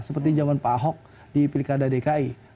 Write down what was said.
seperti zaman pak ahok di pilkada dki